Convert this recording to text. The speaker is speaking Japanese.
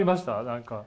何か。